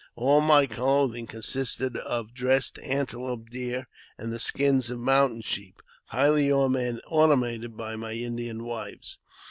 All my clothing consisted of dressed ante lope, deer, and the skins of mountain sheep, highly ornamented by my Indian wives.